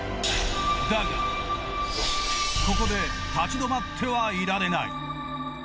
だが、ここで立ちどまってはいられない。